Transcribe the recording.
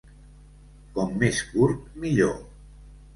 Com més curt, millor.